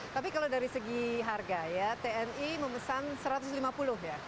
tapi kalau dari segi harga ya tni memesan satu ratus lima puluh ya